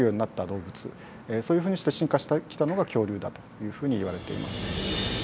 動物そういうふうにして進化してきたのが恐竜だというふうにいわれています。